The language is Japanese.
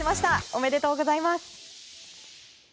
おめでとうございます！